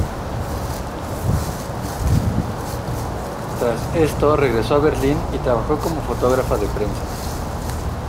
Tras esto regresó a Berlín y trabajó como fotógrafa de prensa.